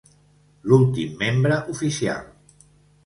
L'últim membre oficial.